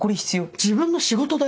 自分の仕事だよ？